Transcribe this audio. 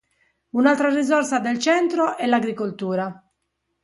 Un'altra risorsa del centro è l'agricoltura.